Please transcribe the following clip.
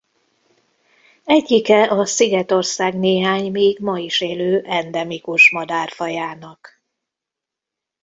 Egyike a szigetország néhány még ma is élő endemikus madárfajának.